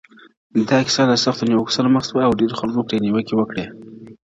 دا کيسه له سختو نيوکو سره مخ سوه او ډېرو خلکو پرې نيوکي وکړې-